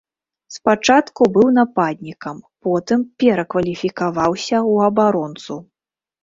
Спачатку быў нападнікам, потым перакваліфікаваўся ў абаронцу.